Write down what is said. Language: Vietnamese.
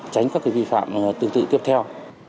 tránh các cái vi phạm tương tự tiếp theo